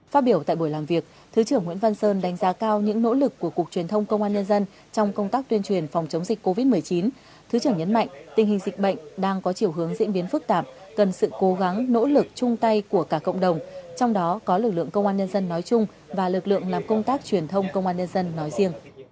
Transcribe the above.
phát biểu tại buổi làm việc thứ trưởng nguyễn văn sơn đánh giá cao những nỗ lực của cục truyền thông công an nhân dân trong công tác tuyên truyền phòng chống dịch covid một mươi chín thứ trưởng nhấn mạnh tình hình dịch bệnh đang có chiều hướng diễn biến phức tạp cần sự cố gắng nỗ lực chung tay của cả cộng đồng trong đó có lực lượng công an nhân dân nói chung và lực lượng làm công tác truyền thông công an nhân dân nói riêng